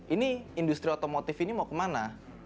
ini industri otomotif ini mau kemana